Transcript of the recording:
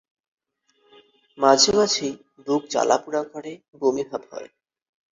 মাঝে মাঝেই বুক জ্বালা পুড়া করে বমি ভাব হয়।